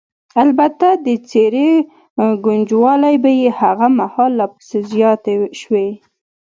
البته د څېرې ګونجوالې به یې هغه مهال لا پسې زیاتې شوې.